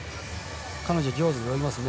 彼女、上手に泳ぎますね。